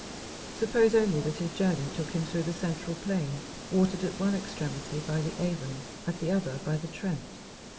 Suppose only that his journey took him through that central plain, watered at one extremity by the Avon, at the other by the Trent.